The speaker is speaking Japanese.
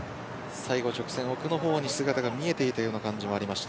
最後直線、奥のほうに姿が見えていたような感じもありました。